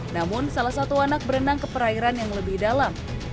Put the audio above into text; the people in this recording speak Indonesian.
namun salah satu anak berenang ke perairan yang lebih dalam